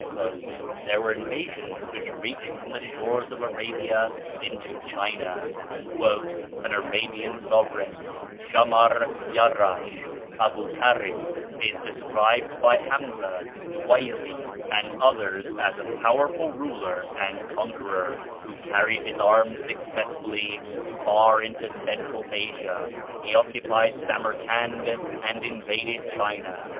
There were invasions which reached from the shores of Arabia into China. "An Arabian sovereign, Schamar Iarasch (Abou Karib), is described by Hamza, Nuwayri, and others as a powerful ruler and conqueror, who carried his arms successfully far into Central Asia; he occupied Samarcand and invaded China.